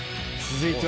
続いてる！